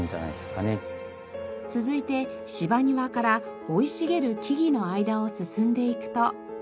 続いて芝庭から生い茂る木々の間を進んでいくと。